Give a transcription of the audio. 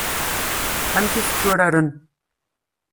Amek i t-tturaren?